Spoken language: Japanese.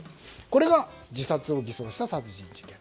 これが自殺を偽装した殺人事件。